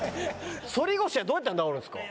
反り腰はどうやったら治るんですか？